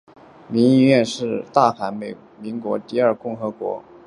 民议院是大韩民国的第二共和国实行两院制国会的下议院。